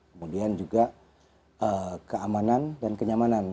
kemudian juga keamanan dan kenyamanan